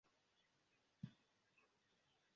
Lia patro estis klarnetisto.